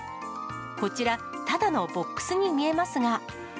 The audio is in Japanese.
こちら、ただのボックスに見えますが。